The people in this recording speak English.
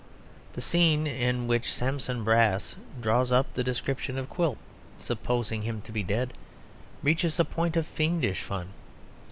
The scene in which Sampson Brass draws up the description of Quilp, supposing him to be dead, reaches a point of fiendish fun.